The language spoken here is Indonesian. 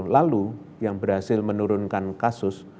lalu yang berhasil menurunkan kasus